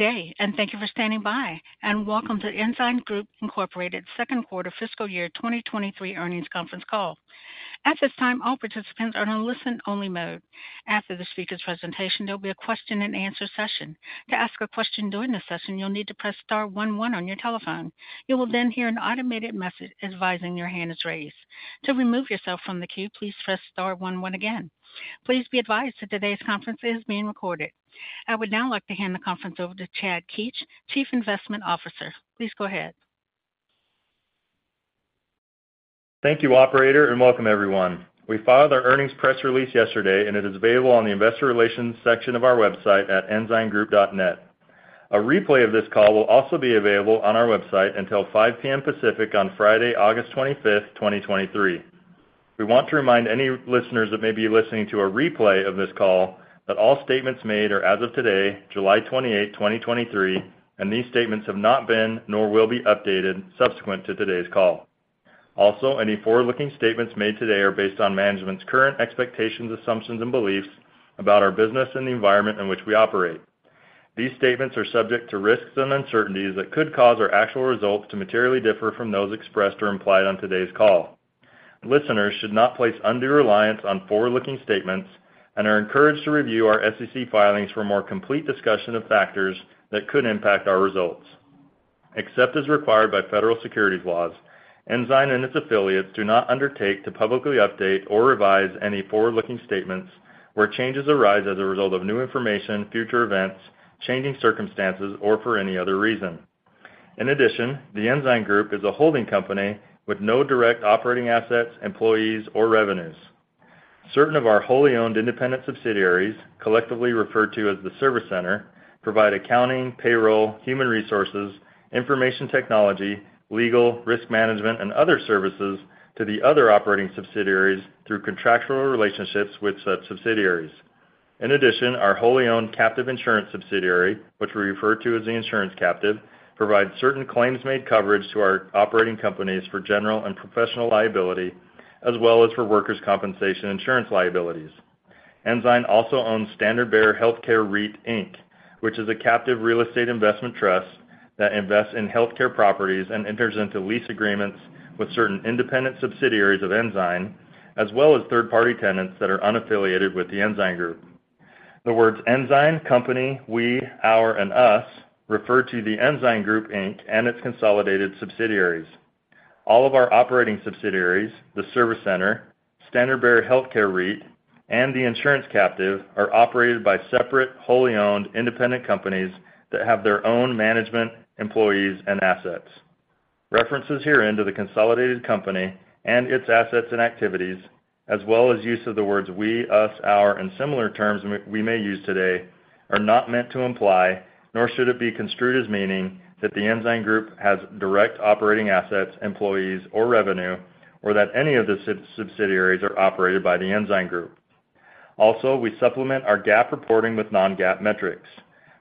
Good day, and thank you for standing by, and welcome to Ensign Group Incorporated's second quarter fiscal year 2023 earnings conference call. At this time, all participants are in a listen-only mode. After the speaker's presentation, there'll be a question-and-answer session. To ask a question during the session, you'll need to press star one one on your telephone. You will then hear an automated message advising your hand is raised. To remove yourself from the queue, please press star one one again. Please be advised that today's conference is being recorded. I would now like to hand the conference over to Chad Keetch, Chief Investment Officer. Please go ahead. Thank you, operator, welcome everyone. We filed our earnings press release yesterday, it is available on the investor relations section of our website at ensigngroup.net. A replay of this call will also be available on our website until 5:00 P.M. Pacific on Friday, August 25th, 2023. We want to remind any listeners that may be listening to a replay of this call, that all statements made are as of today, July 28th, 2023, these statements have not been nor will be updated subsequent to today's call. Any forward-looking statements made today are based on management's current expectations, assumptions, and beliefs about our business and the environment in which we operate. These statements are subject to risks and uncertainties that could cause our actual results to materially differ from those expressed or implied on today's call. Listeners should not place undue reliance on forward-looking statements and are encouraged to review our SEC filings for a more complete discussion of factors that could impact our results. Except as required by federal securities laws, Ensign and its affiliates do not undertake to publicly update or revise any forward-looking statements where changes arise as a result of new information, future events, changing circumstances, or for any other reason. In addition, the Ensign Group is a holding company with no direct operating assets, employees, or revenues. Certain of our wholly owned independent subsidiaries, collectively referred to as the Service Center, provide accounting, payroll, human resources, information technology, legal, risk management, and other services to the other operating subsidiaries through contractual relationships with such subsidiaries. In addition, our wholly owned captive insurance subsidiary, which we refer to as the Insurance Captive, provides certain claims-made coverage to our operating companies for general and professional liability, as well as for workers' compensation insurance liabilities. Ensign also owns Standard Bearer Healthcare REIT, Inc., which is a captive real estate investment trust that invests in healthcare properties and enters into lease agreements with certain independent subsidiaries of Ensign, as well as third-party tenants that are unaffiliated with the Ensign Group. The words Ensign, company, we, our, and us refer to The Ensign Group, Inc., and its consolidated subsidiaries. All of our operating subsidiaries, the Service Center, Standard Bearer Healthcare REIT, and the Insurance Captive, are operated by separate, wholly owned independent companies that have their own management, employees, and assets. References herein to the consolidated company and its assets and activities, as well as use of the words we, us, our, and similar terms we, we may use today, are not meant to imply, nor should it be construed as meaning, that The Ensign Group has direct operating assets, employees, or revenue, or that any of the subsidiaries are operated by The Ensign Group. We supplement our GAAP reporting with non-GAAP metrics.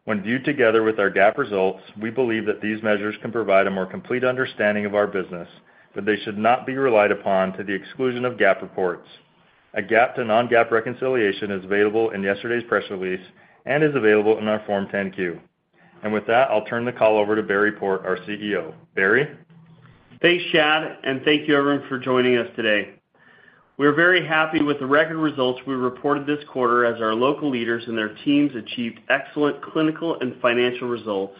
When viewed together with our GAAP results, we believe that these measures can provide a more complete understanding of our business, but they should not be relied upon to the exclusion of GAAP reports. A GAAP to non-GAAP reconciliation is available in yesterday's press release and is available in our Form 10-Q. With that, I'll turn the call over to Barry Port, our CEO. Barry? Thanks, Chad. Thank you, everyone, for joining us today. We're very happy with the record results we reported this quarter as our local leaders and their teams achieved excellent clinical and financial results,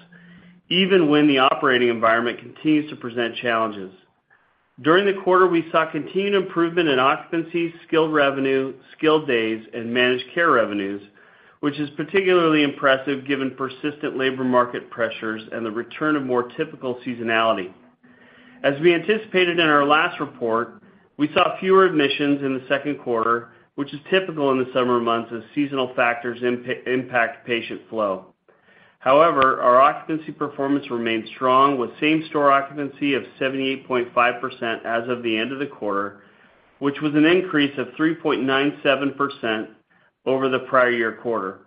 even when the operating environment continues to present challenges. During the quarter, we saw continued improvement in occupancy, skilled revenue, skilled days, and managed care revenues, which is particularly impressive given persistent labor market pressures and the return of more typical seasonality. As we anticipated in our last report, we saw fewer admissions in the second quarter, which is typical in the summer months as seasonal factors impact patient flow. However, our occupancy performance remained strong, with same-store occupancy of 78.5% as of the end of the quarter, which was an increase of 3.97% over the prior year quarter.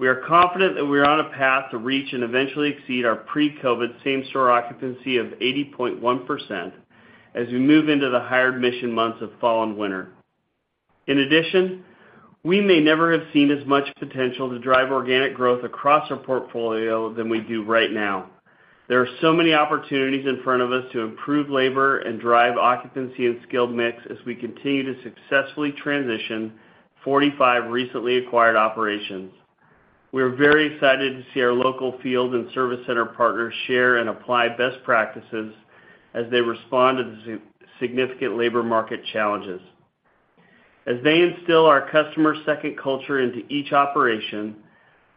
We are confident that we are on a path to reach and eventually exceed our pre-COVID same store occupancy of 80.1% as we move into the higher admission months of fall and winter. In addition, we may never have seen as much potential to drive organic growth across our portfolio than we do right now. There are so many opportunities in front of us to improve labor and drive occupancy and skilled mix as we continue to successfully transition 45 recently acquired operations. We are very excited to see our local field and Service Center partners share and apply best practices as they respond to the significant labor market challenges. As they instill our customer-second culture into each operation,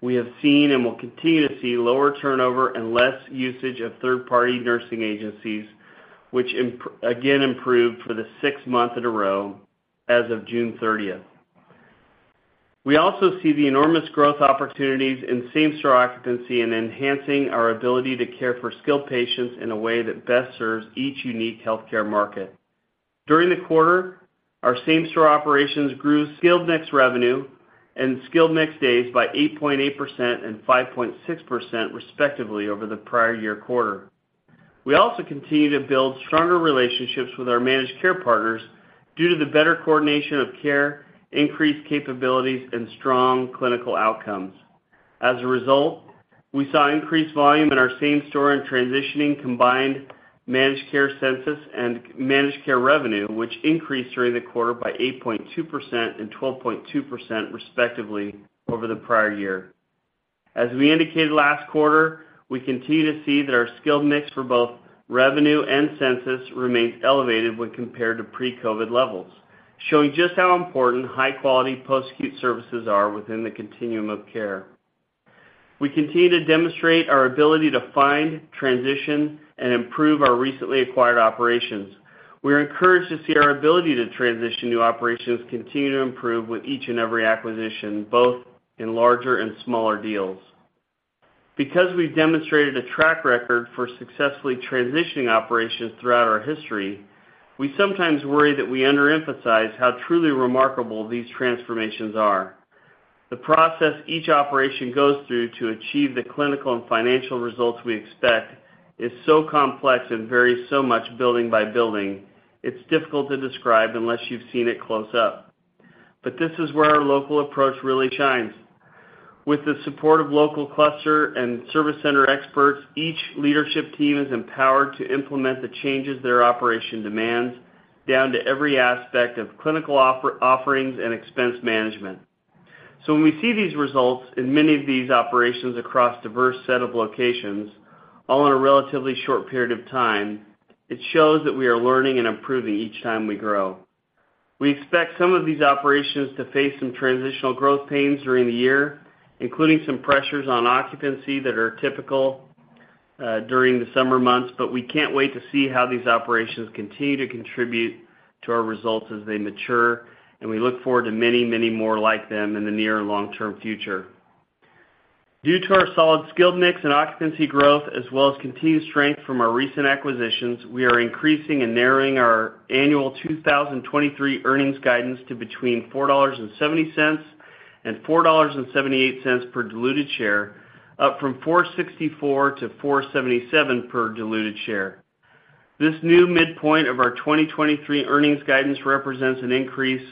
we have seen and will continue to see lower turnover and less usage of third-party nursing agencies, which again, improved for the 6th month in a row as of June 30th. We also see the enormous growth opportunities in same-store occupancy and enhancing our ability to care for skilled patients in a way that best serves each unique healthcare market. During the quarter, our same-store operations grew skilled mix revenue and skilled mix days by 8.8% and 5.6% respectively over the prior year quarter. We also continue to build stronger relationships with our managed care partners due to the better coordination of care, increased capabilities, and strong clinical outcomes. A result, we saw increased volume in our same-store and transitioning combined managed care census and managed care revenue, which increased during the quarter by 8.2% and 12.2% respectively over the prior year. We indicated last quarter, we continue to see that our skilled mix for both revenue and census remains elevated when compared to pre-COVID levels, showing just how important high-quality post-acute services are within the continuum of care. We continue to demonstrate our ability to find, transition, and improve our recently acquired operations. We are encouraged to see our ability to transition new operations continue to improve with each and every acquisition, both in larger and smaller deals. We've demonstrated a track record for successfully transitioning operations throughout our history, we sometimes worry that we underemphasize how truly remarkable these transformations are. The process each operation goes through to achieve the clinical and financial results we expect is so complex and varies so much building by building, it's difficult to describe unless you've seen it close up. This is where our local approach really shines. With the support of local cluster and Service Center experts, each leadership team is empowered to implement the changes their operation demands, down to every aspect of clinical offerings and expense management. When we see these results in many of these operations across diverse set of locations, all in a relatively short period of time, it shows that we are learning and improving each time we grow. We expect some of these operations to face some transitional growth pains during the year, including some pressures on occupancy that are typical, during the summer months. We can't wait to see how these operations continue to contribute to our results as they mature. We look forward to many, many more like them in the near and long-term future. Due to our solid skilled mix and occupancy growth, as well as continued strength from our recent acquisitions, we are increasing and narrowing our annual 2023 earnings guidance to between $4.70 and $4.78 per diluted share, up from $4.64-$4.77 per diluted share. This new midpoint of our 2023 earnings guidance represents an increase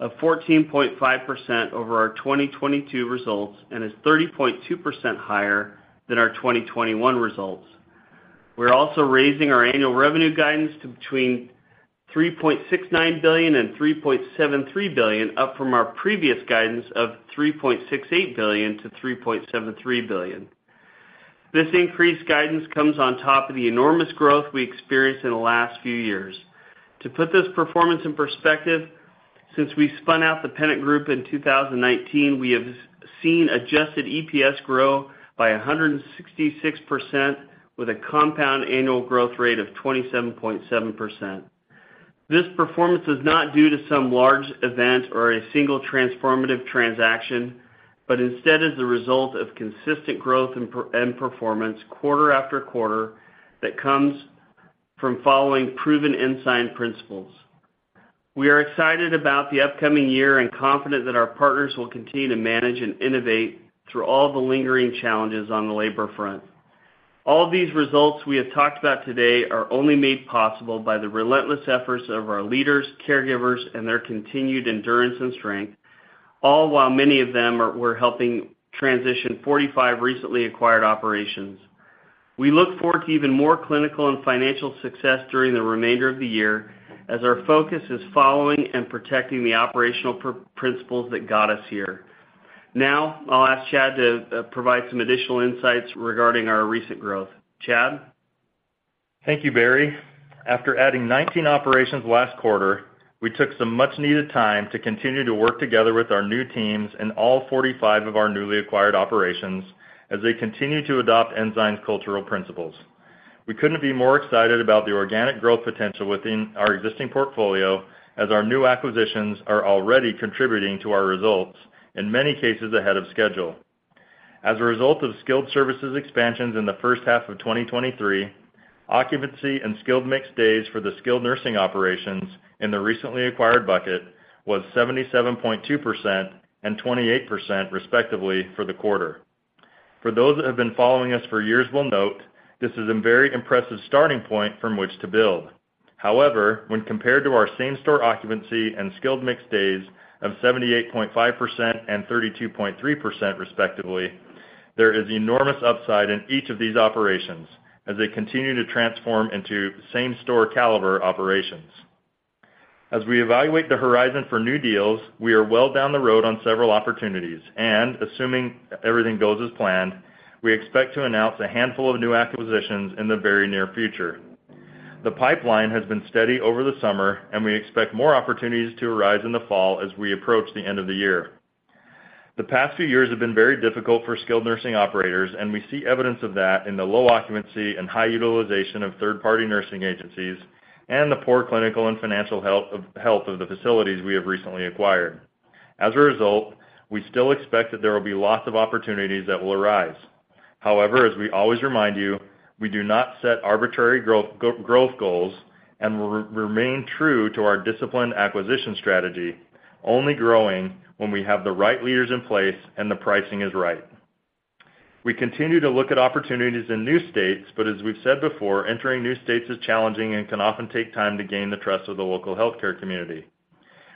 of 14.5% over our 2022 results and is 30.2% higher than our 2021 results. We're also raising our annual revenue guidance to between $3.69 billion and $3.73 billion, up from our previous guidance of $3.68 billion to $3.73 billion. This increased guidance comes on top of the enormous growth we experienced in the last few years. To put this performance in perspective, since we spun out The Pennant Group in 2019, we have seen adjusted EPS grow by 166%, with a compound annual growth rate of 27.7%. This performance is not due to some large event or a single transformative transaction, but instead is the result of consistent growth and performance quarter after quarter that comes from following proven Ensign principles. We are excited about the upcoming year and confident that our partners will continue to manage and innovate through all the lingering challenges on the labor front. All of these results we have talked about today are only made possible by the relentless efforts of our leaders, caregivers, and their continued endurance and strength, all while many of them were helping transition 45 recently acquired operations. We look forward to even more clinical and financial success during the remainder of the year, as our focus is following and protecting the operational principles that got us here. Now, I'll ask Chad to provide some additional insights regarding our recent growth. Chad? Thank you, Barry. After adding 19 operations last quarter, we took some much-needed time to continue to work together with our new teams and all 45 of our newly acquired operations as they continue to adopt Ensign's cultural principles. We couldn't be more excited about the organic growth potential within our existing portfolio, as our new acquisitions are already contributing to our results, in many cases ahead of schedule. As a result of skilled services expansions in the first half of 2023, occupancy and skilled mix days for the skilled nursing operations in the recently acquired bucket was 77.2% and 28%, respectively, for the quarter. For those that have been following us for years will note, this is a very impressive starting point from which to build. However, when compared to our same-store occupancy and skilled mix days of 78.5% and 32.3%, respectively, there is enormous upside in each of these operations as they continue to transform into same-store caliber operations. As we evaluate the horizon for new deals, we are well down the road on several opportunities, and assuming everything goes as planned, we expect to announce a handful of new acquisitions in the very near future. The pipeline has been steady over the summer, and we expect more opportunities to arise in the fall as we approach the end of the year. The past few years have been very difficult for skilled nursing operators, and we see evidence of that in the low occupancy and high utilization of third-party nursing agencies and the poor clinical and financial health of the facilities we have recently acquired. As a result, we still expect that there will be lots of opportunities that will arise. As we always remind you, we do not set arbitrary growth goals and will remain true to our discipline acquisition strategy, only growing when we have the right leaders in place and the pricing is right. We continue to look at opportunities in new states, as we've said before, entering new states is challenging and can often take time to gain the trust of the local healthcare community.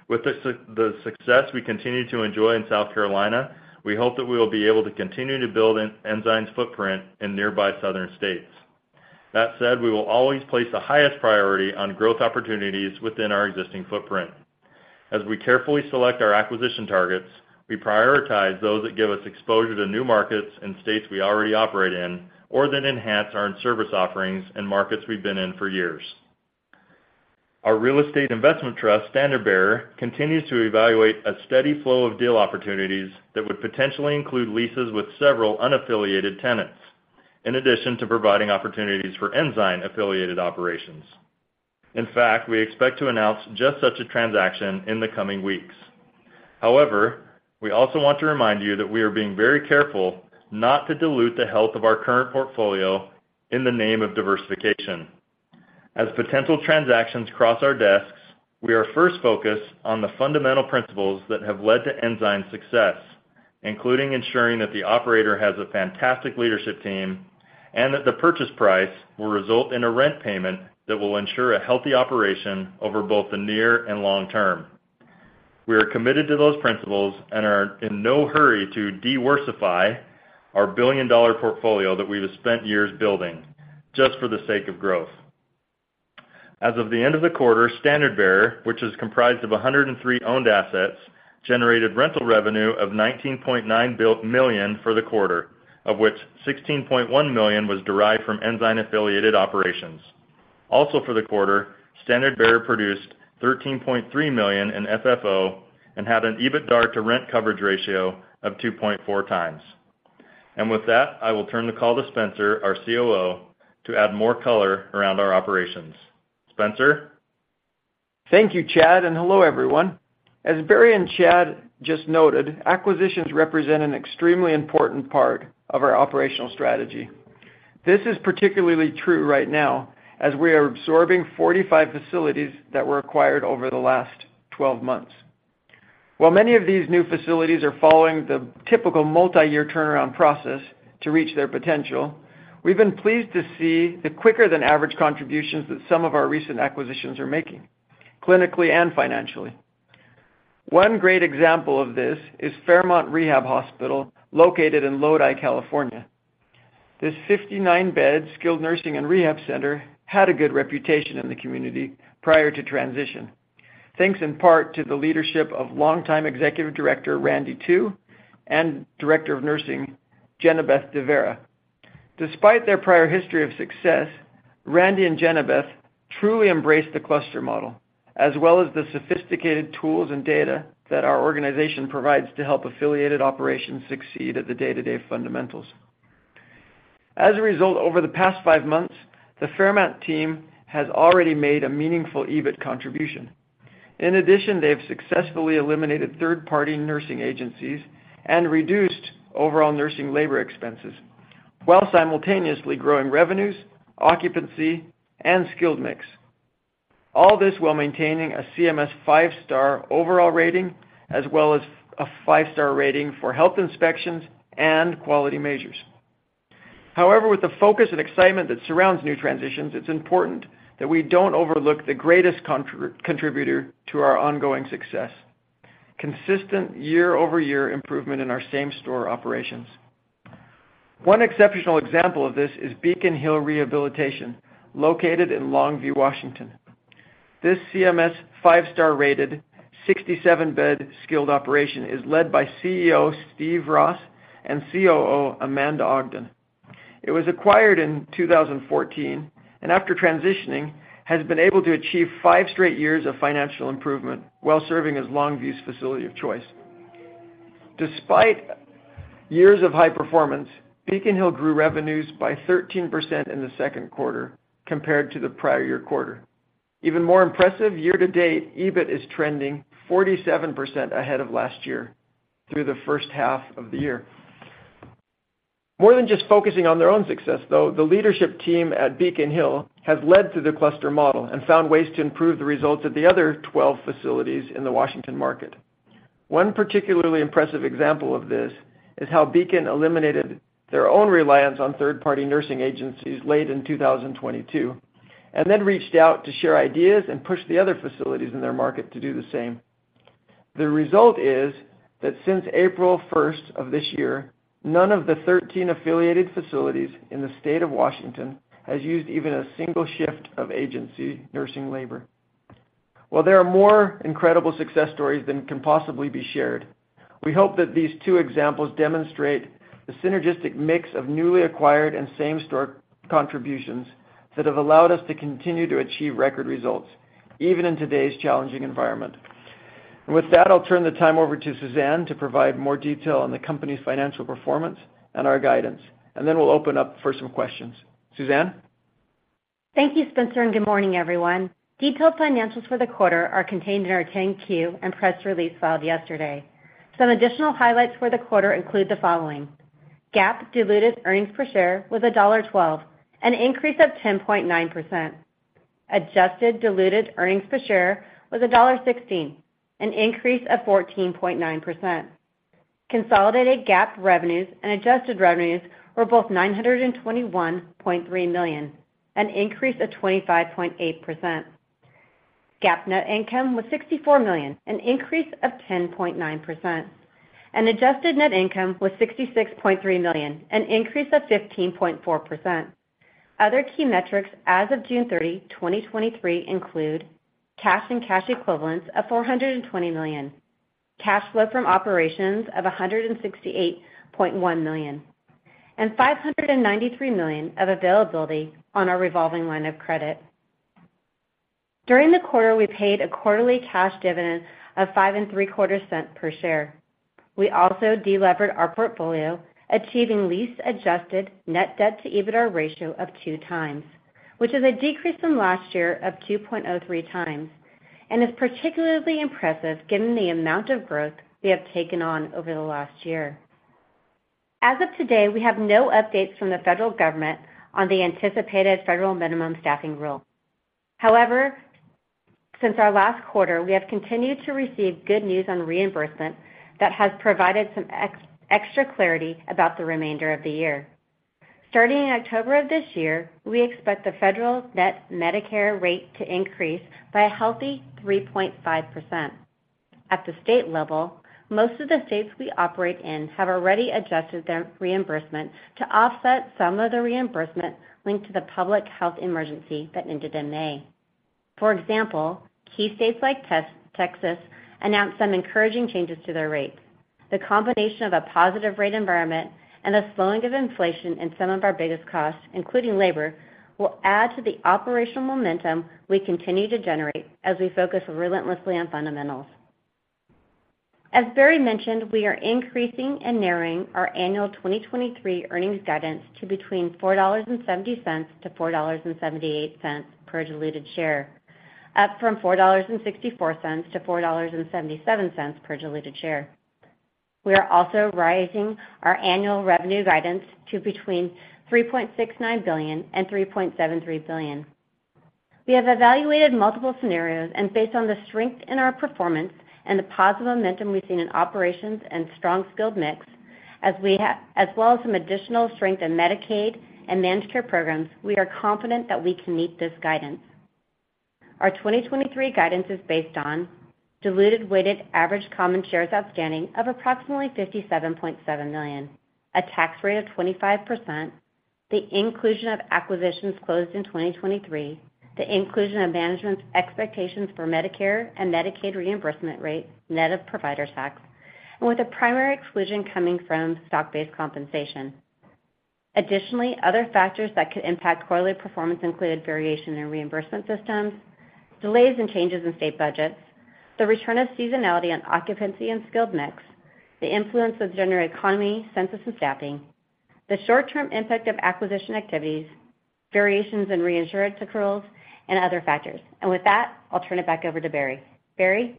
With the success we continue to enjoy in South Carolina, we hope that we will be able to continue to build Ensign's footprint in nearby southern states. That said, we will always place the highest priority on growth opportunities within our existing footprint. As we carefully select our acquisition targets, we prioritize those that give us exposure to new markets and states we already operate in, or that enhance our service offerings in markets we've been in for years. Our real estate investment trust, Standard Bearer, continues to evaluate a steady flow of deal opportunities that would potentially include leases with several unaffiliated tenants, in addition to providing opportunities for Ensign-affiliated operations. In fact, we expect to announce just such a transaction in the coming weeks. However, we also want to remind you that we are being very careful not to dilute the health of our current portfolio in the name of diversification. As potential transactions cross our desks, we are first focused on the fundamental principles that have led to Ensign's success, including ensuring that the operator has a fantastic leadership team, and that the purchase price will result in a rent payment that will ensure a healthy operation over both the near and long term. We are committed to those principles and are in no hurry to diworsify our $1 billion-dollar portfolio that we have spent years building, just for the sake of growth. As of the end of the quarter, Standard Bearer, which is comprised of 103 owned assets, generated rental revenue of $19.9 million for the quarter, of which $16.1 million was derived from Ensign-affiliated operations. Also, for the quarter, Standard Bearer produced $13.3 million in FFO and had an EBITDAR to rent coverage ratio of 2.4 times. With that, I will turn the call to Spencer, our COO, to add more color around our operations. Spencer? Thank you, Chad. Hello, everyone. As Barry and Chad just noted, acquisitions represent an extremely important part of our operational strategy. This is particularly true right now, as we are absorbing 45 facilities that were acquired over the last 12 months. While many of these new facilities are following the typical multiyear turnaround process to reach their potential, we've been pleased to see the quicker-than-average contributions that some of our recent acquisitions are making, clinically and financially. One great example of this is Fairmont Rehabilitation Hospital, located in Lodi, California. This 59-bed skilled nursing and rehab center had a good reputation in the community prior to transition, thanks in part to the leadership of longtime Executive Director, Randy Tu, and Director of Nursing, Jenabeth Devera. Despite their prior history of success, Randy and Jenabeth truly embraced the cluster model, as well as the sophisticated tools and data that our organization provides to help affiliated operations succeed at the day-to-day fundamentals. As a result, over the past five months, the Fairmont team has already made a meaningful EBIT contribution. In addition, they have successfully eliminated third-party nursing agencies and reduced overall nursing labor expenses, while simultaneously growing revenues, occupancy, and skilled mix. All this while maintaining a CMS five-star overall rating, as well as a five-star rating for health inspections and quality measures. However, with the focus and excitement that surrounds new transitions, it's important that we don't overlook the greatest contributor to our ongoing success, consistent year-over-year improvement in our same-store operations. One exceptional example of this is Beacon Hill Rehabilitation, located in Longview, Washington. This CMS five-star rated, 67-bed skilled operation is led by CEO Steve Ross and COO Amanda Ogden. It was acquired in 2014, and after transitioning, has been able to achieve five straight years of financial improvement while serving as Longview's facility of choice. Despite years of high performance, Beacon Hill grew revenues by 13% in the second quarter compared to the prior year quarter. Even more impressive, year-to-date, EBIT is trending 47% ahead of last year through the first half of the year. More than just focusing on their own success, though, the leadership team at Beacon Hill has led to the cluster model and found ways to improve the results of the other 12 facilities in the Washington market. One particularly impressive example of this is how Beacon eliminated their own reliance on third-party nursing agencies late in 2022, and then reached out to share ideas and push the other facilities in their market to do the same. The result is that since April 1st of this year, none of the 13 affiliated facilities in the state of Washington has used even a single shift of agency nursing labor. While there are more incredible success stories than can possibly be shared, we hope that these two examples demonstrate the synergistic mix of newly acquired and same-store contributions that have allowed us to continue to achieve record results, even in today's challenging environment. With that, I'll turn the time over to Suzanne to provide more detail on the company's financial performance and our guidance, and then we'll open up for some questions. Suzanne? Thank you, Spencer, and good morning, everyone. Detailed financials for the quarter are contained in our 10-Q and press release filed yesterday. Some additional highlights for the quarter include the following: GAAP diluted earnings per share was $1.12, an increase of 10.9%. Adjusted diluted earnings per share was $1.16, an increase of 14.9%. Consolidated GAAP revenues and adjusted revenues were both $921.3 million, an increase of 25.8%. GAAP net income was $64 million, an increase of 10.9%. Adjusted net income was $66.3 million, an increase of 15.4%. Other key metrics as of June 30, 2023, include cash and cash equivalents of $420 million, cash flow from operations of $168.1 million, and $593 million of availability on our revolving line of credit. During the quarter, we paid a quarterly cash dividend of $0.0575 per share. We also delevered our portfolio, achieving lease-adjusted net debt to EBITDA ratio of 2x, which is a decrease from last year of 2.03x, is particularly impressive given the amount of growth we have taken on over the last year. As of today, we have no updates from the federal government on the anticipated Federal Minimum Staffing Rule. However, since our last quarter, we have continued to receive good news on reimbursement that has provided some extra clarity about the remainder of the year. Starting in October of this year, we expect the federal net Medicare rate to increase by a healthy 3.5%. At the state level, most of the states we operate in have already adjusted their reimbursement to offset some of the reimbursement linked to the public health emergency that ended in May. For example, key states like Texas announced some encouraging changes to their rates. The combination of a positive rate environment and a slowing of inflation in some of our biggest costs, including labor, will add to the operational momentum we continue to generate as we focus relentlessly on fundamentals. As Barry mentioned, we are increasing and narrowing our annual 2023 earnings guidance to between $4.70-$4.78 per diluted share, up from $4.64-$4.77 per diluted share. We are also rising our annual revenue guidance to between $3.69 billion and $3.73 billion. We have evaluated multiple scenarios, based on the strength in our performance and the positive momentum we've seen in operations and strong skilled mix, as well as some additional strength in Medicaid and managed care programs, we are confident that we can meet this guidance. Our 2023 guidance is based on diluted weighted average common shares outstanding of approximately $57.7 million, a tax rate of 25%, the inclusion of acquisitions closed in 2023, the inclusion of management's expectations for Medicare and Medicaid reimbursement rates, net of provider tax, with a primary exclusion coming from stock-based compensation. Additionally, other factors that could impact quarterly performance included variation in reimbursement systems, delays and changes in state budgets, the return of seasonality on occupancy and skilled mix, the influence of general economy, census, and staffing, the short-term impact of acquisition activities, variations in reinsurance accruals, and other factors. With that, I'll turn it back over to Barry. Barry?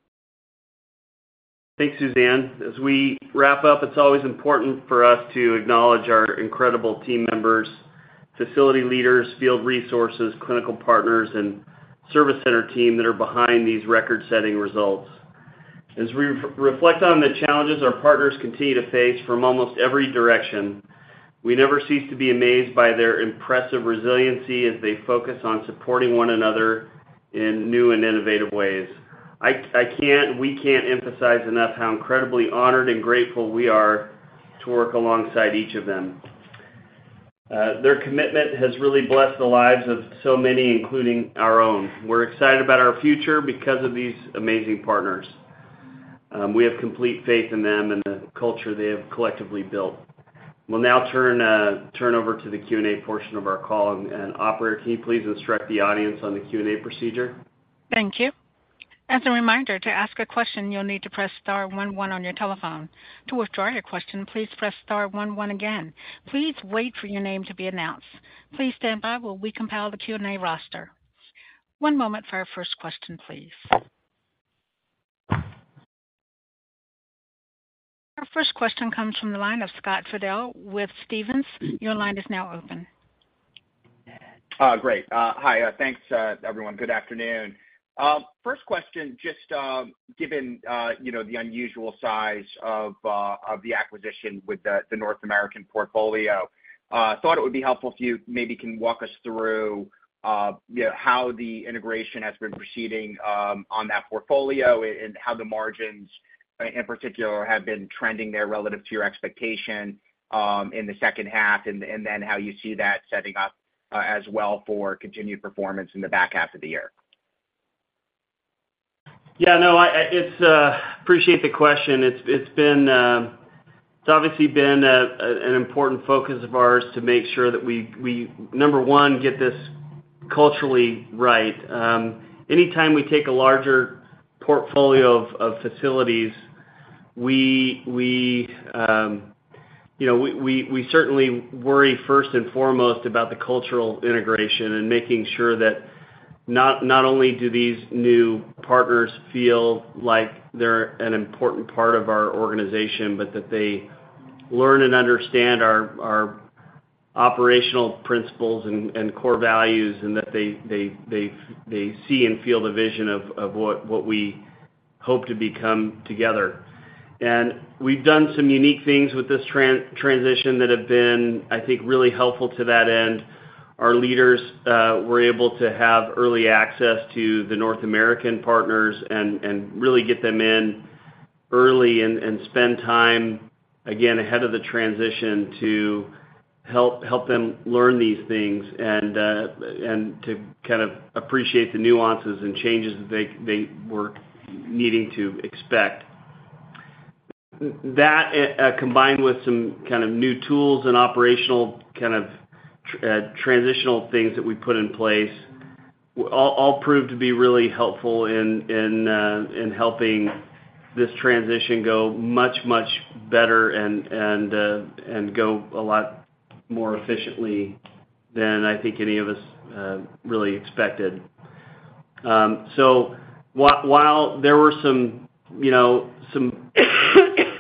Thanks, Suzanne. As we wrap up, it's always important for us to acknowledge our incredible team members, facility leaders, field resources, clinical partners, and Service Center team that are behind these record-setting results. As we re-reflect on the challenges our partners continue to face from almost every direction, we never cease to be amazed by their impressive resiliency as they focus on supporting one another in new and innovative ways. I can't, we can't emphasize enough how incredibly honored and grateful we are to work alongside each of them. Their commitment has really blessed the lives of so many, including our own. We're excited about our future because of these amazing partners. We have complete faith in them and the culture they have collectively built. We'll now turn over to the Q&A portion of our call. Operator, can you please instruct the audience on the Q&A procedure? Thank you. As a reminder, to ask a question, you'll need to press star one one on your telephone. To withdraw your question, please press star one one again. Please wait for your name to be announced. Please stand by while we compile the Q&A roster. One moment for our first question, please. Our first question comes from the line of Scott Fidel with Stephens. Your line is now open. Great. Hi, thanks, everyone. Good afternoon. First question, just, given, you know, the unusual size of the acquisition with the North American portfolio, thought it would be helpful if you maybe can walk us through, you know, how the integration has been proceeding, on that portfolio, and how the margins, in particular, have been trending there relative to your expectation, in the second half, and, and then how you see that setting up, as well for continued performance in the back half of the year. Yeah, no, I, I, it's, appreciate the question. It's, it's been, it's obviously been an important focus of ours to make sure that we, we, number one, get this culturally right. Anytime we take a larger portfolio of facilities, we, we, you know, we, we, we certainly worry first and foremost about the cultural integration and making sure that not only do these new partners feel like they're an important part of our organization, but that they learn and understand our operational principles and core values, and that they, they, they, they see and feel the vision of what we hope to become together. We've done some unique things with this transition that have been, I think, really helpful to that end. Our leaders were able to have early access to the North American partners and, and really get them in early and, and spend time, again, ahead of the transition to help, help them learn these things and to kind of appreciate the nuances and changes that they, they were needing to expect. That combined with some kind of new tools and operational kind of transitional things that we put in place, all, all proved to be really helpful in, in helping this transition go much, much better and, and go a lot more efficiently than I think any of us really expected. While there were some, you know, some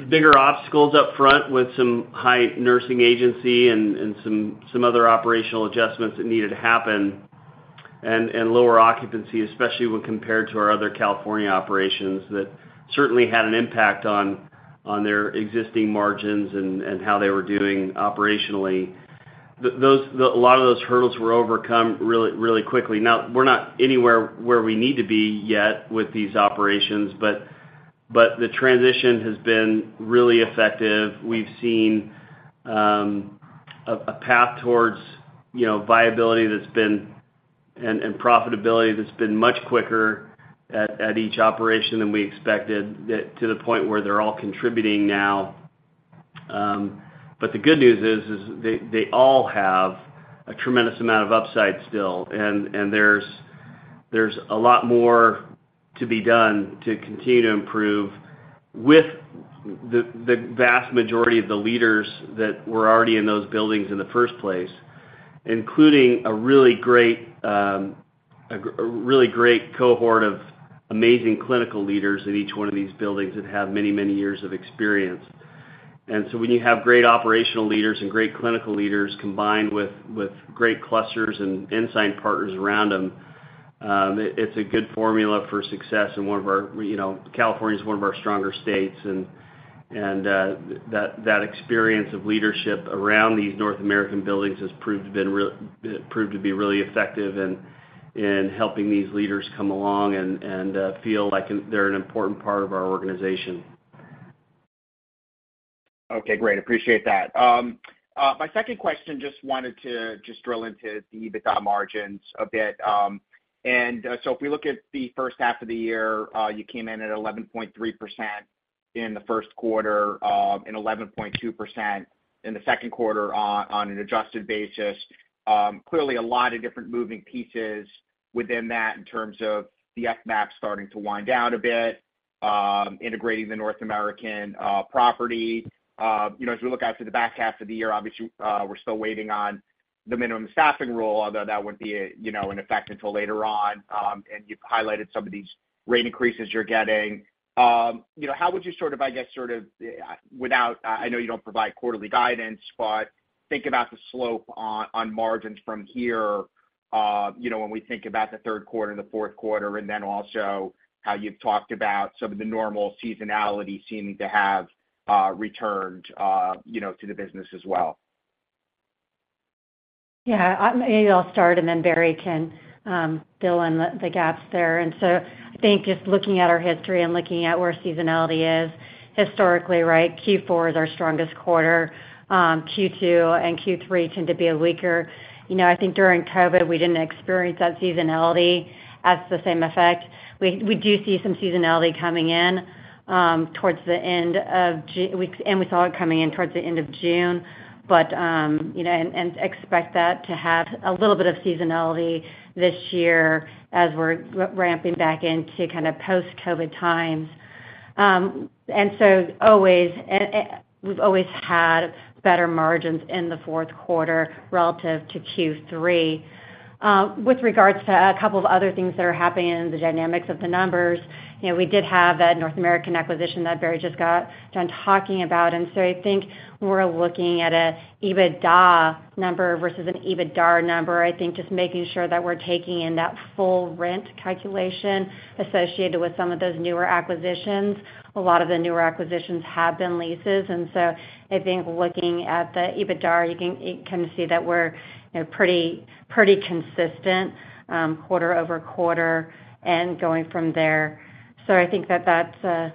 bigger obstacles up front with some high nursing agency and, and some, some other operational adjustments that needed to happen, and, and lower occupancy, especially when compared to our other California operations, that certainly had an impact on, on their existing margins and, and how they were doing operationally. A lot of those hurdles were overcome really, really quickly. We're not anywhere where we need to be yet with these operations, but the transition has been really effective. We've seen a path towards, you know, viability that's been, and profitability that's been much quicker at, at each operation than we expected, that to the point where they're all contributing now. The good news is, is they, they all have a tremendous amount of upside still, and, and there's, there's a lot more to be done to continue to improve with the, the vast majority of the leaders that were already in those buildings in the first place, including a really great, a really great cohort of amazing clinical leaders in each one of these buildings that have many, many years of experience. When you have great operational leaders and great clinical leaders, combined with, with great clusters and inside partners around them, it's a good formula for success, and one of our- you know, California is one of our stronger states, and, that, that experience of leadership around these North American buildings has proved to be really effective in, in helping these leaders come along and, feel like they're an important part of our organization. Okay, great. Appreciate that. My second question, just wanted to just drill into the EBITDA margins a bit. If we look at the first half of the year, you came in at 11.3% in the 1st quarter, and 11.2% in the 2nd quarter on an adjusted basis. Clearly, a lot of different moving pieces within that in terms of the FMAP starting to wind down a bit, integrating the North American property. You know, as we look out to the back half of the year, obviously, we're still waiting on the Minimum Staffing Rule, although that would be, you know, in effect, until later on. You've highlighted some of these rate increases you're getting. You know, how would you sort of, I guess, I know you don't provide quarterly guidance, but think about the slope on, on margins from here, you know, when we think about the 3rd quarter and the 4th quarter, and then also how you've talked about some of the normal seasonality seeming to have returned, you know, to the business as well? Yeah, maybe I'll start, then Barry can fill in the gaps there. I think just looking at our history and looking at where seasonality is, historically, right, Q4 is our strongest quarter. Q2 and Q3 tend to be a weaker... You know, I think during COVID, we didn't experience that seasonality as the same effect. We, we do see some seasonality coming in towards the end of June. You know, expect that to have a little bit of seasonality this year as we're ramping back into kind of post-COVID times. Always, we've always had better margins in the fourth quarter relative to Q3. With regards to a couple of other things that are happening in the dynamics of the numbers, you know, we did have a North American acquisition that Barry just got done talking about. I think we're looking at an EBITDA number versus an EBITDAR number. I think just making sure that we're taking in that full rent calculation associated with some of those newer acquisitions. A lot of the newer acquisitions have been leases. I think looking at the EBITDAR, you can, you can see that we're, you know, pretty, pretty consistent, quarter over quarter and going from there. I think that that's.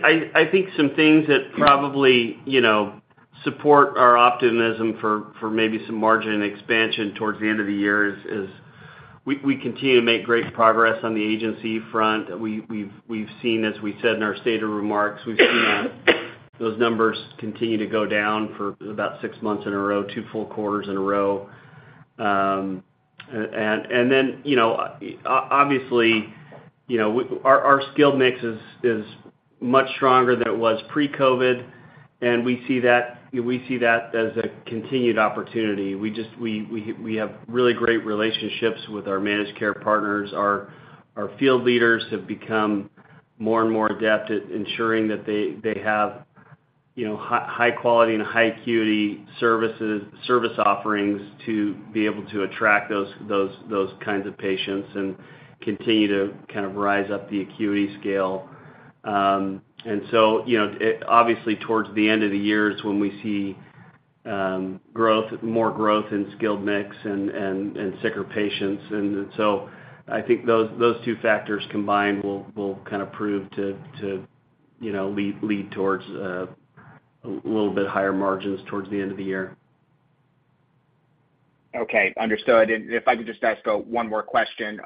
I think some things that probably, you know, support our optimism for maybe some margin expansion towards the end of the year is, we continue to make great progress on the agency front. We've seen, as we said in our state of remarks, we've seen those numbers continue to go down for about six months in a row, two full quarters in a row. Then, you know, obviously, you know, our skilled mix is much stronger than it was pre-COVID, and we see that, we see that as a continued opportunity. We just have really great relationships with our managed care partners. Our field leaders have become more and more adept at ensuring that they have, you know, high quality and high acuity services, service offerings to be able to attract those kinds of patients and continue to kind of rise up the acuity scale. So, you know, it obviously, towards the end of the years when we see growth, more growth in skilled mix and sicker patients. So I think those two factors combined will kind of prove to, you know, lead towards a little bit higher margins towards the end of the year. Okay, understood. If I could just ask, 1 more question.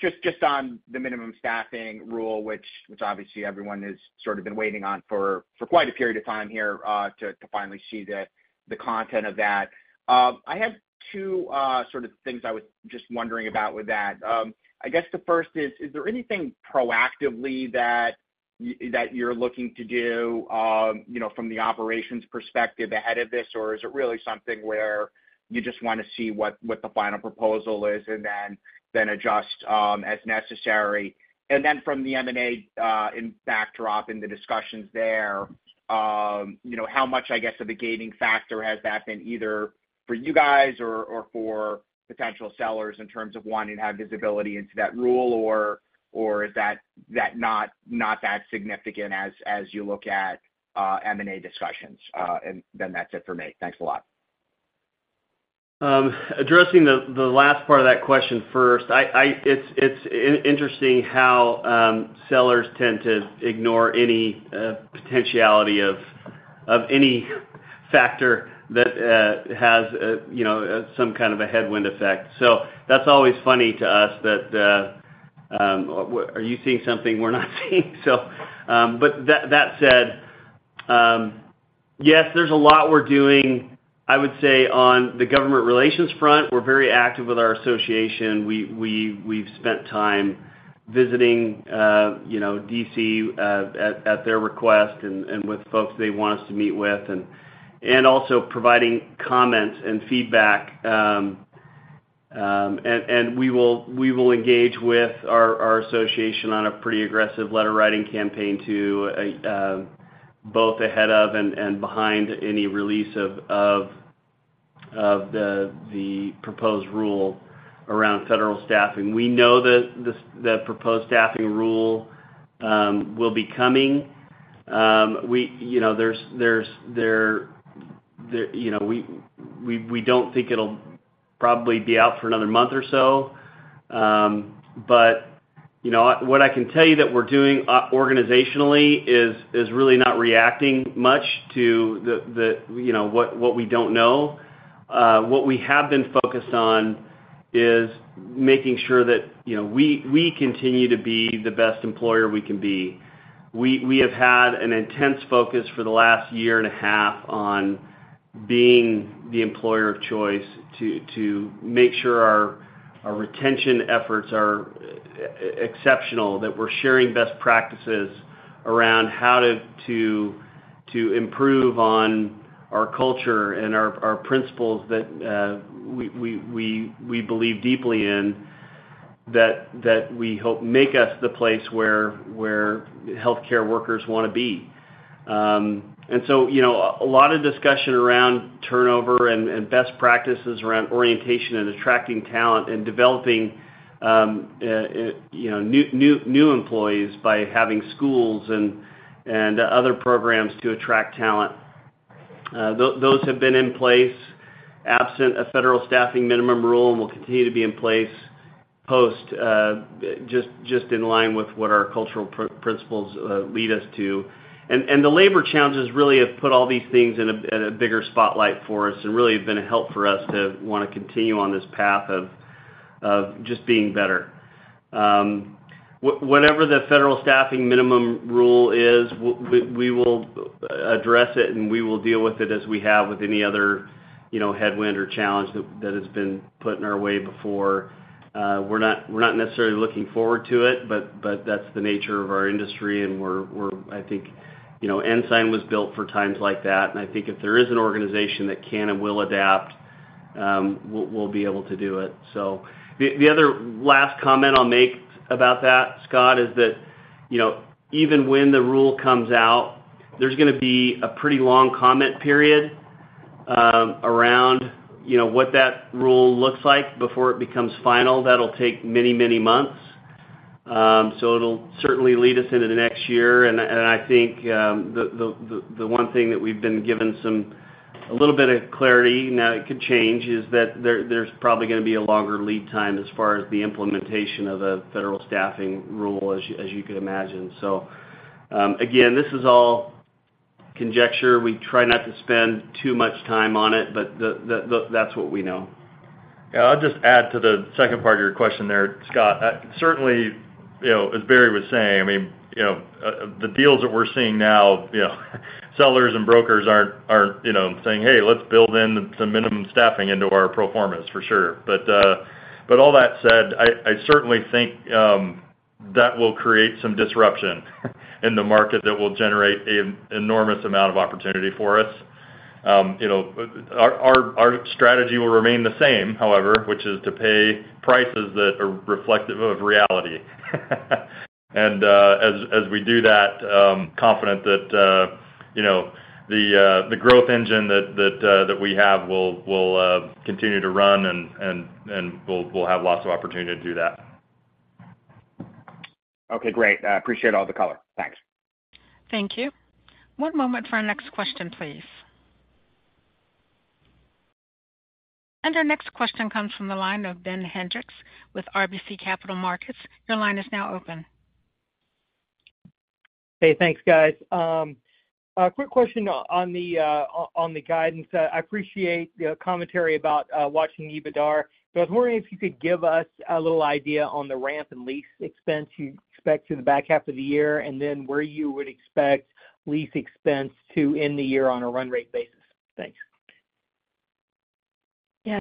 Just, just on the Nursing Home Minimum Staffing Rule, which, which obviously everyone has sort of been waiting on for, for quite a period of time here, to, to finally see the, the content of that. I have 2 sort of things I was just wondering about with that. I guess the first is, is there anything proactively that you're looking to do, you know, from the operations perspective ahead of this? Is it really something where you just wanna see what, what the final proposal is and then, then adjust, as necessary? From the M&A, in backdrop, in the discussions there, you know, how much, I guess, of a gating factor has that been either for you guys or, or for potential sellers in terms of wanting to have visibility into that rule? Or is that, that not, not that significant as, as you look at, M&A discussions? That's it for me. Thanks a lot. Addressing the, the last part of that question first, I, I- it's, it's in- interesting how sellers tend to ignore any potentiality of, of any factor that has, you know, some kind of a headwind effect. That's always funny to us that are you seeing something we're not seeing? But that, that said, yes, there's a lot we're doing. I would say on the government relations front, we're very active with our association. We, we, we've spent time visiting, you know, D.C., at, at their request and, and with folks they want us to meet with, and, and also providing comments and feedback. We will, we will engage with our, our association on a pretty aggressive letter-writing campaign to both ahead of and behind any release of the proposed rule around federal staffing. We know that the proposed staffing rule will be coming. We, you know, we, we, we don't think it'll probably be out for another month or so. You know, what I can tell you that we're doing organizationally is really not reacting much to, you know, what, what we don't know. What we have been focused on is making sure that, you know, we, we continue to be the best employer we can be. We have had an intense focus for the last year and a half on being the employer of choice to make sure our retention efforts are exceptional, that we're sharing best practices around how to improve on our culture and our principles that we believe deeply in, that we hope make us the place where healthcare workers wanna be. So, you know, a lot of discussion around turnover and best practices around orientation and attracting talent and developing, you know, new employees by having schools and other programs to attract talent. Those have been in place absent a federal staffing minimum rule and will continue to be in place post, just in line with what our cultural principles lead us to. The labor challenges really have put all these things in a, in a bigger spotlight for us and really have been a help for us to want to continue on this path of, of just being better. Whatever the Federal Staffing Minimum Rule is, we will address it, and we will deal with it as we have with any other, you know, headwind or challenge that, that has been put in our way before. We're not, we're not necessarily looking forward to it, but, but that's the nature of our industry, and we're. I think, you know, Ensign was built for times like that, and I think if there is an organization that can and will adapt, we'll, we'll be able to do it. The, the other last comment I'll make about that, Scott, is that, you know, even when the rule comes out, there's gonna be a pretty long comment period around, you know, what that rule looks like before it becomes final. That'll take many, many months. It'll certainly lead us into the next year. And I think the, the, the, the one thing that we've been given some, a little bit of clarity, now it could change, is that there, there's probably gonna be a longer lead time as far as the implementation of a Federal Staffing Rule, as you, as you could imagine. Again, this is all conjecture. We try not to spend too much time on it, but that's what we know. Yeah, I'll just add to the second part of your question there, Scott. Certainly, you know, as Barry was saying, I mean, you know, the deals that we're seeing now, you know, sellers and brokers aren't, aren't, you know, saying, "Hey, let's build in some Minimum Staffing into our pro formas," for sure. All that said, I, I certainly think.... that will create some disruption in the market that will generate a enormous amount of opportunity for us. You know, our, our, our strategy will remain the same, however, which is to pay prices that are reflective of reality. As, as we do that, confident that, you know, the, the growth engine that, that, that we have will, will, continue to run, and, and, and we'll, we'll have lots of opportunity to do that. Okay, great. I appreciate all the color. Thanks. Thank you. One moment for our next question, please. Our next question comes from the line of Ben Hendrix with RBC Capital Markets. Your line is now open. Hey, thanks, guys. A quick question on the guidance. I appreciate the commentary about watching EBITDAR, but I was wondering if you could give us a little idea on the ramp and lease expense you expect through the back half of the year, and then where you would expect lease expense to end the year on a run rate basis. Thanks. Yeah.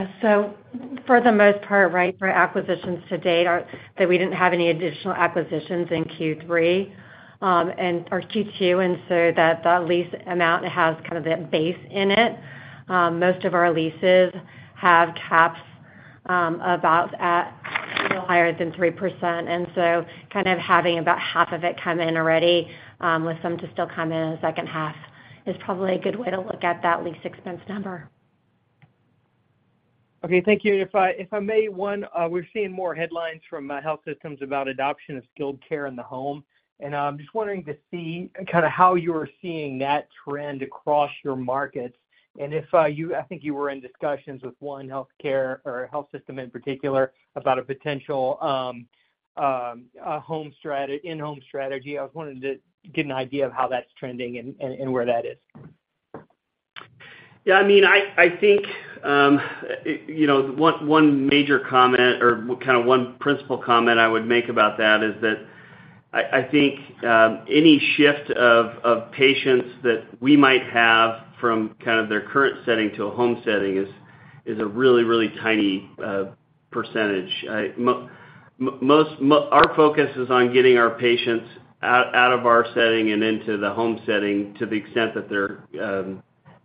For the most part, right, for acquisitions to date, are that we didn't have any additional acquisitions in Q3, and or Q2, and so that the lease amount has kind of that base in it. Most of our leases have caps, about at no higher than 3%, and so kind of having about half of it come in already, with some to still come in in the second half, is probably a good way to look at that lease expense number. Okay, thank you. If I, if I may, one, we've seen more headlines from health systems about adoption of skilled care in the home, and just wondering to see kind of how you're seeing that trend across your markets, and if you -- I think you were in discussions with one healthcare or health system in particular, about a potential home strategy-- in-home strategy? I was wondering to get an idea of how that's trending and where that is. Yeah, I mean, I, I think, you know, one, one major comment or kind of one principal comment I would make about that, is that I, I think, any shift of, of patients that we might have from kind of their current setting to a home setting is, is a really, really tiny, percentage. Our focus is on getting our patients out, out of our setting and into the home setting, to the extent that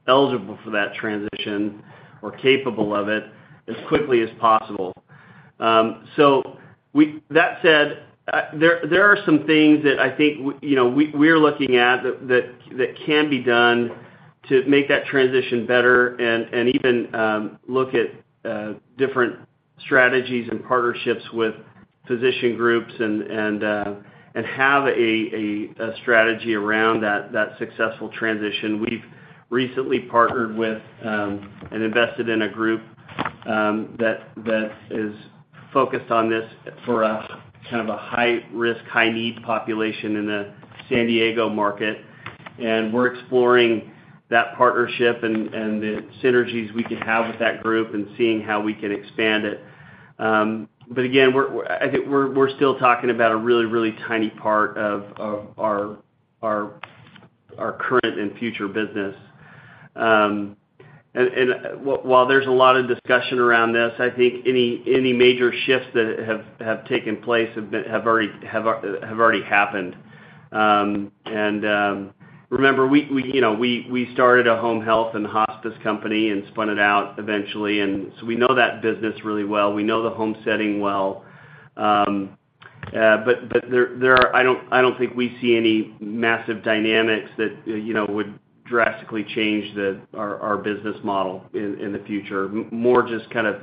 they're eligible for that transition or capable of it, as quickly as possible. That said, there, there are some things that I think you know, we, we're looking at that, that, that can be done to make that transition better and, and even, look at, different strategies and partnerships with physician groups and, and, and have a, a, a strategy around that, that successful transition. We've recently partnered with, and invested in a group, that, that is focused on this for a, kind of a high-risk, high-need population in the San Diego market. We're exploring that partnership and, and the synergies we can have with that group and seeing how we can expand it. Again, we're, I think we're, we're still talking about a really, really tiny part of, of our, our, our current and future business. While there's a lot of discussion around this, I think any, any major shifts that have, have taken place have been, have already, have already happened. Remember, we, we, you know, we, we started a home health and hospice company and spun it out eventually, and so we know that business really well. We know the home setting well. There, there are-- I don't, I don't think we see any massive dynamics that, you know, would drastically change the, our, our business model in, in the future. More just kind of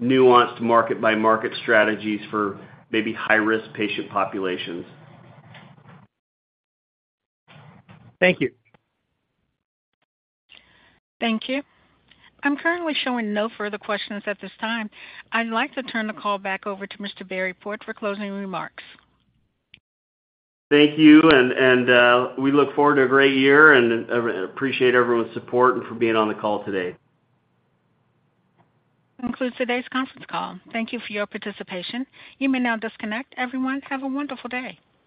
nuanced market-by-market strategies for maybe high-risk patient populations. Thank you. Thank you. I'm currently showing no further questions at this time. I'd like to turn the call back over to Mr. Barry Port for closing remarks. Thank you, and, and, we look forward to a great year and, appreciate everyone's support and for being on the call today. That concludes today's conference call. Thank you for your participation. You may now disconnect. Everyone, have a wonderful day.